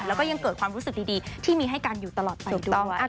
แล้วก็ยังเกิดความรู้สึกดีที่มีให้กันอยู่ตลอดไปด้วย